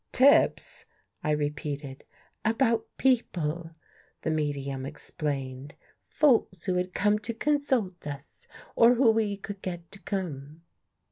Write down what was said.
" Tips !" I repeated. " About people," the medium explained. " Folks who had come to consult us, or who we could get to come.